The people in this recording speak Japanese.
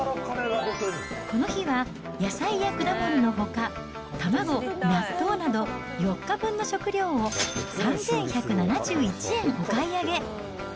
この日は野菜や果物のほか、卵、納豆など、４日分の食料を３１７１円お買い上げ。